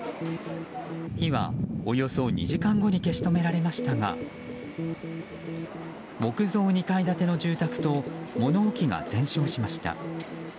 火はおよそ２時間後に消し止められましたが木造２階建ての住宅と物置が全焼しました。